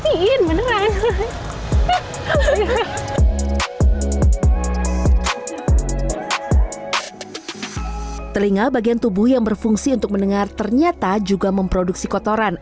iniin beneran telinga bagian tubuh yang berfungsi untuk mendengar ternyata juga memproduksi kotoran